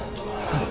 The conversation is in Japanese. はい。